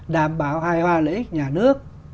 đảm bảo hài hòa lợi ích nhà nước